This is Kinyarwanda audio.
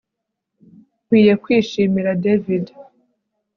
Nkwiye kwishimira David